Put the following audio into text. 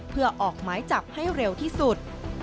เพื่อออกหมายจับให้เร็วที่สุด